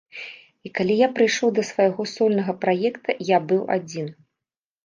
І калі я прыйшоў да свайго сольнага праекта, я быў адзін.